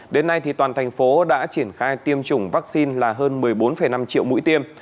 đến nay toàn thành phố đã triển khai tiêm chủng vaccine là hơn một mươi bốn năm triệu mũi tiêm